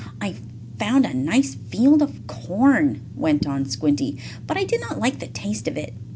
"I found a nice field of corn," went on Squinty, "but I did not like the taste of it.